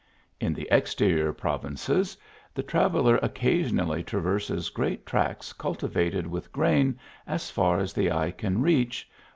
In the exterior provinces, the traveller OQcasipnaLy traverses great tracts cultivated with gra the eye can re.ic .